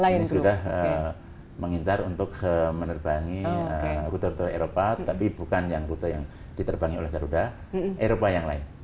ini sudah mengincar untuk menerbangi rute rute eropa tapi bukan yang rute yang diterbangi oleh garuda eropa yang lain